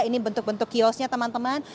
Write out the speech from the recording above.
ini bentuk bentuk kiosnya teman teman